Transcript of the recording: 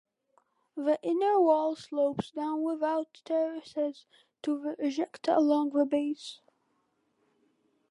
The inner wall slopes down without terraces to the ejecta along the base.